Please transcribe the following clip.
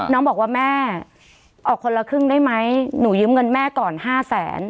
น้องบอกว่าแม่ออกคนละครึ่งได้ไหมหนูยืมเงินแม่ก่อน๕แสน